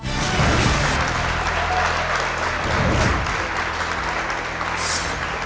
ครับ